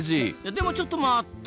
でもちょっと待った！